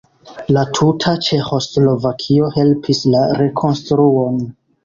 La tuta Ĉeĥoslovakio helpis la rekonstruon.